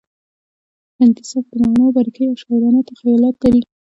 هندي سبک د معناوو باریکۍ او شاعرانه تخیلات لري